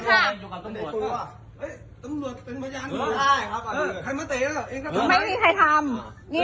พี่บอลมานี่ไม่เตะไม่เตะไม่เตะค่ะไม่มีใครเตะ